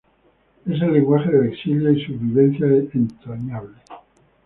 Es el lenguaje del exilio y sus vivencias entrañables".